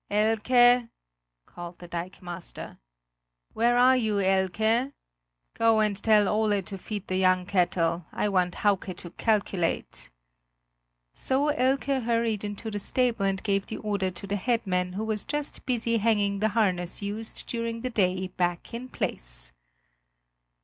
"Elke!" called the dikemaster; "where are you, Elke? Go and tell Ole to feed the young cattle; I want Hauke to calculate!" So Elke hurried into the stable and gave the order to the head man who was just busy hanging the harness used during the day back in place.